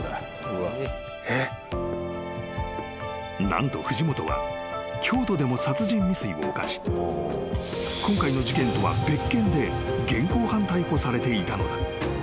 ［何と藤本は京都でも殺人未遂を犯し今回の事件とは別件で現行犯逮捕されていたのだ］